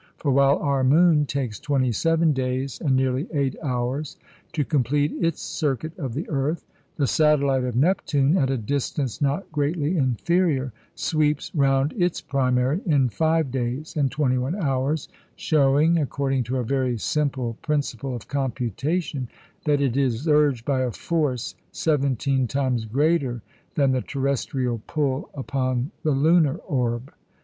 For while our moon takes twenty seven days and nearly eight hours to complete its circuit of the earth, the satellite of Neptune, at a distance not greatly inferior, sweeps round its primary in five days and twenty one hours, showing (according to a very simple principle of computation) that it is urged by a force seventeen times greater than the terrestrial pull upon the lunar orb.